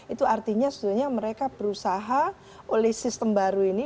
itu artinya sebenarnya mereka berusaha oleh sistem baru ini